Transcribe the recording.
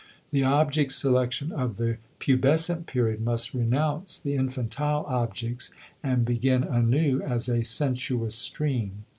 The object selection of the pubescent period must renounce the infantile objects and begin anew as a sensuous stream.